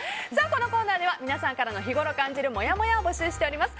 このコーナーでは皆さんからの日ごろ感じるもやもやを募集しております。